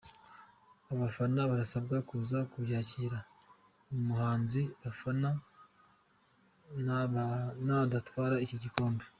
Abafana barasabwa kuza kubyakira umuhanzi bafana nadatwara iki gikombe.